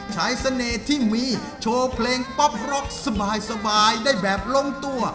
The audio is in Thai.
เสน่ห์ที่มีโชว์เพลงป๊อปร็อกสบายได้แบบลงตัว